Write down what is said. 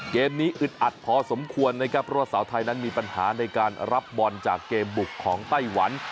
เกมนี้อึดอัดพอสมควรนะครับเพราะว่าสาวไทยนั้นมีปัญหาในการรับบอลจากเกมบุกของไต้หวัน